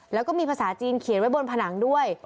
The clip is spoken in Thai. แล้วก็มีภาษาจีนเขียนไว้บนผนังด้วย